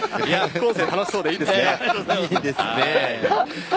副音声、楽しそうでいいですね。